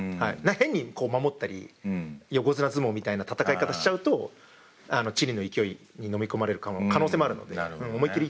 変に守ったり横綱相撲みたいな戦い方しちゃうとチリの勢いに飲み込まれる可能性もあるので思い切り行ってほしいですね。